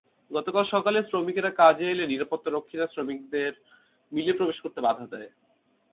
গতকাল সকালে শ্রমিকেরা কাজে এলে নিরাপত্তারক্ষীরা শ্রমিকদের মিলে প্রবেশ করতে বাধা দেয়।